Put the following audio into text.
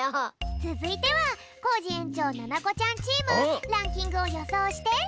つづいてはコージ園長ななこちゃんチームランキングをよそうして。